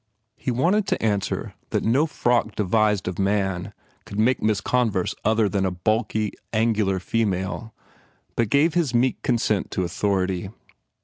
He wanted to answer that no frock devised of man could make Miss Converse other than a bulky, angular female but gave his meek consent to authority.